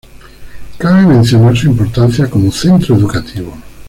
Cabe mencionar su importancia como centro educativo.